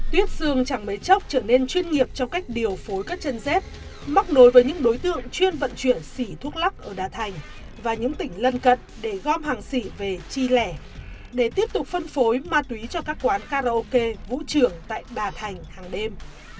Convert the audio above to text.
tuyết xương chẳng mấy chốc trở nên chuyên nghiệp trong cách điều phối các chân dép móc nối với những đối tượng chuyên vận chuyển xỉ thuốc lắc ở đà thành và những tỉnh lân cận để gom hàng sỉ về chi lẻ để tiếp tục phân phối ma túy cho các quán karaoke vũ trường tại đà thành hàng đêm